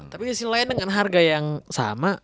tapi disini lain dengan harga yang sama